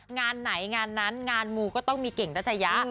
งานไหนงานนั้นงานมูก็ต้องมีเก่งนัชยะ